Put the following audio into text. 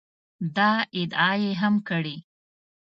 دا ادعا یې هم کړې